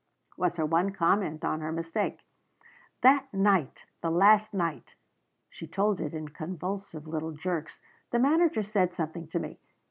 was her one comment on her mistake. "That night the last night " she told it in convulsive little jerks "the manager said something to me.